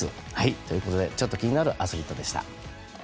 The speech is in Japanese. ということでちょっと気になるアスリートでした。